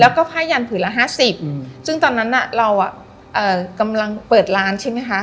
แล้วก็ผ้ายันผืนละ๕๐ซึ่งตอนนั้นน่ะเรากำลังเปิดร้านใช่ไหมคะ